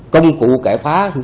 công cụ cải phá